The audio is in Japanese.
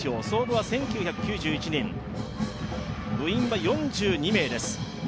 創部は１９９１年部員は４２名です。